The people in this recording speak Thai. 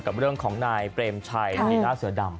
กับเรื่องของนายเปรมชัยลีน่าเสือดำ